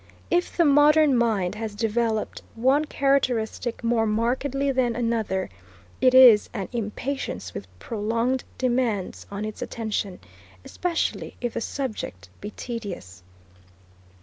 If the modern mind has developed one characteristic more markedly than another, it is an impatience with prolonged demands on its attention, especially if the subject be tedious.